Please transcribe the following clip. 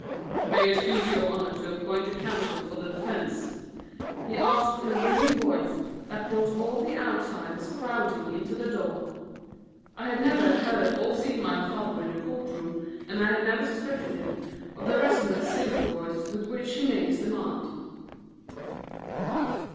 "May it please your honor to appoint a counsel for the defense?" he asked in a ringing voice that brought all the outsiders crowding into the door. I had never heard or seen my father in a court room and I had never suspected him of the resonant silver voice with which he made his demand.